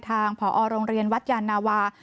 ทางพรโรงเรียนวัชยานาวา